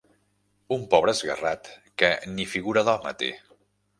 Un pobre esguerrat que ni figura d'home té.